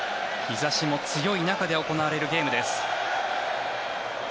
日差しも強い中で行われるゲームです。